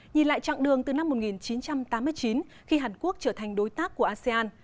nhìn lại chặng đường từ năm một nghìn chín trăm tám mươi chín khi hàn quốc trở thành đối tác của asean